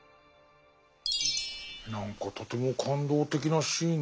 何かとても感動的なシーンだな。